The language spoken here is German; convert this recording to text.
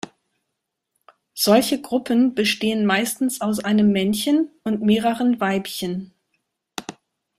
Solche Gruppen bestehen meistens aus einem Männchen und mehreren Weibchen.